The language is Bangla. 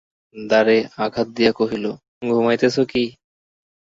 দ্বারে আঘাত দিয়া কহিল, ঘুমাইতেছ কি।